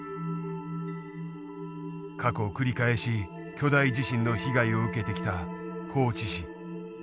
過去繰り返し巨大地震の被害を受けてきた高知市。